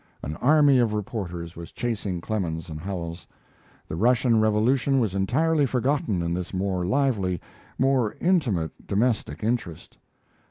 An army of reporters was chasing Clemens and Howells. The Russian revolution was entirely forgotten in this more lively, more intimate domestic interest.